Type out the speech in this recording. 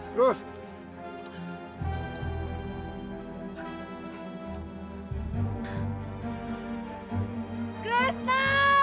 karena aku tidak kok melahirkan kesihatanmu dalam ular